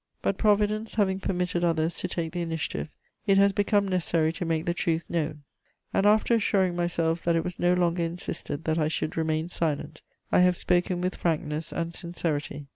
"But Providence having permitted others to take the initiative, it has become necessary to make the truth known, and after assuring myself that it was no longer insisted that I should remain silent, I have spoken with frankness and sincerity.